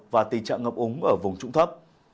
và tình trạng ngập úng ở vùng trụng thấp